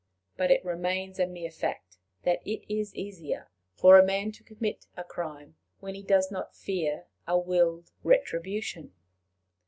But it remains a mere fact that it is easier for a man to commit a crime when he does not fear a willed retribution.